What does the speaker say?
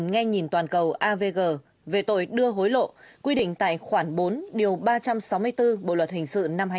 đồng thời ra các quyết định hai quyết định nghe nhìn toàn cầu avg về tội đưa hối lộ quy định tài khoản bốn điều ba trăm sáu mươi bốn bộ luật hình sự năm hai nghìn một mươi năm